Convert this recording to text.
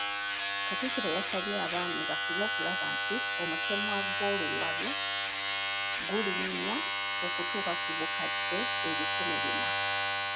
Katikkiro yasabye Abaami bafube okulaba nti omutemwa gw'oluwalo gulinnya okutuuka ku bukadde ebikumi bina.